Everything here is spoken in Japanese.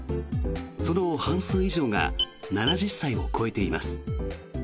その半数以上が７０歳を超えています。